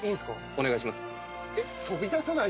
お願いします。